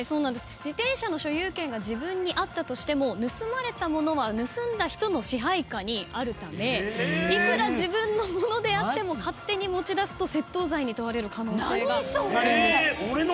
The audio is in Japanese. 自転車の所有権が自分にあったとしても盗まれた物は盗んだ人の支配下にあるためいくら自分の物であっても勝手に持ち出すと窃盗罪に問われる可能性があるんです。